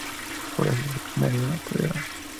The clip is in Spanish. Florece desde primavera y hasta el verano.